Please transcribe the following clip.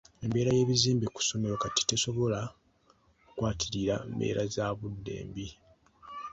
Embeera y'ebizimbe ku ssomero kati tesobola kukwatirira mbeera za budde mbi.